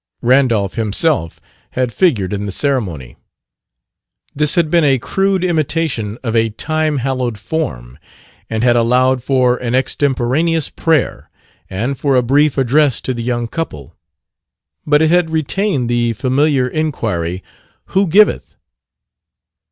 Randolph himself had figured in the ceremony. This had been a crude imitation of a time hallowed form and had allowed for an extemporaneous prayer and for a brief address to the young couple; but it had retained the familiar inquiry, "Who giveth